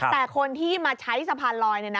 แต่คนที่มาใช้สะพานลอย